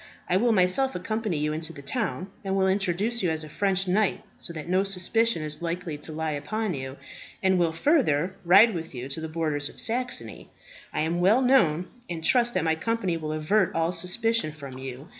I will myself accompany you into the town, and will introduce you as a French knight, so that no suspicion is likely to lie upon you, and will, further, ride with you to the borders of Saxony. I am well known, and trust that my company will avert all suspicion from you.